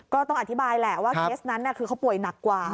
ก็ต้องอธิบายแหละว่าเคสนั้นคือเขาป่วยหนักกว่า